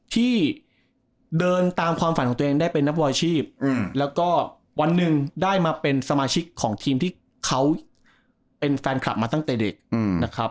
ที่เดินตามความฝันของตัวเองได้เป็นนักบอลอาชีพแล้วก็วันหนึ่งได้มาเป็นสมาชิกของทีมที่เขาเป็นแฟนคลับมาตั้งแต่เด็กนะครับ